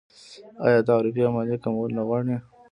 آیا تعرفې او مالیې کمول نه غواړي؟